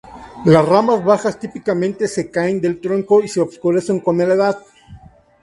Las ramas bajas, típicamente, se caen del tronco y se oscurece con la edad.